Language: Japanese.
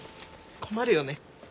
困るよね？